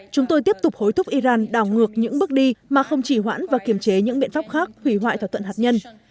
chúng tôi tiếp tục hối thúc iran đảo ngược những bước đi mà không chỉ hoãn và kiềm chế những biện pháp khác hủy hoại thỏa thuận hạt nhân